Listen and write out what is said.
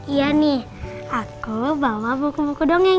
iya nih aku bawa buku buku dongeng